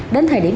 đến thời điểm